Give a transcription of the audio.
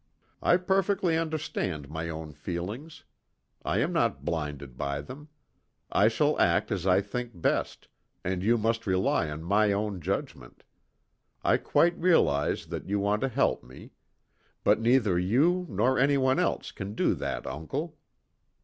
I perfectly understand my own feelings. I am not blinded by them. I shall act as I think best, and you must rely on my own judgment. I quite realize that you want to help me. But neither you nor any one else can do that, uncle.